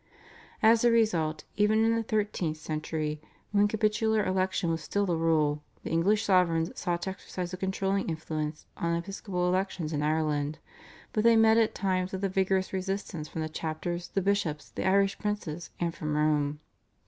As a result even in the thirteenth century, when capitular election was still the rule, the English sovereigns sought to exercise a controlling influence on episcopal elections in Ireland, but they met at times with a vigorous resistance from the chapters, the bishops, the Irish princes, and from Rome.